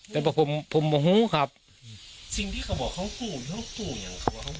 แต่ว่าผมผมหูครับสิ่งที่เขาบอกเขากูเขากูอย่างเขา